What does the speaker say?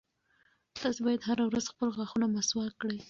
تاسي باید هره ورځ خپل غاښونه مسواک کړئ.